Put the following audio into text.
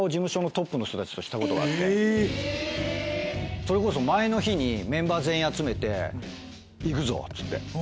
それこそ前の日にメンバー全員集めて「行くぞ！」っつって。